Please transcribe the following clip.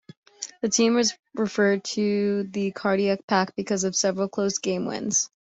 The team was referred to the "Cardiac Pack" because of several close game wins.